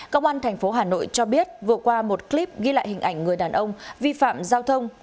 công an tp hà nội cho biết vừa qua một clip ghi lại hình ảnh người đàn ông vi phạm giao thông